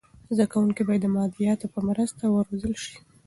زده کونکي باید د مادیاتو په مرسته و روزل سي.